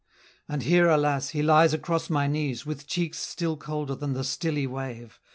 "And here, alas! he lies across my knees, With cheeks still colder than the stilly wave.